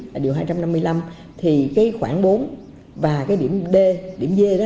là điều hai trăm năm mươi năm thì khoảng bốn và điểm d điểm d